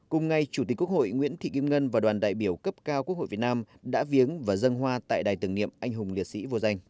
cùng ngày chủ tịch quốc hội nguyễn thị kim ngân và đoàn đại biểu cấp cao quốc hội việt nam đã viếng và dân hoa tại đài tưởng niệm anh hùng liệt sĩ vô danh